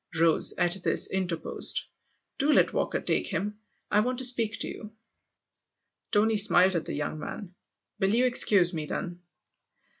Rose, at this, interposed. " Do let Walker take him I want to speak to you." Tony smiled at the young man. "Will you excuse me then